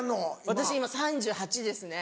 私今３８歳ですね。